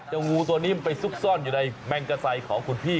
เจ้างูตัวนิ่มไปซุกซ่อนอยู่ในแม่งกระไสของคุณพี่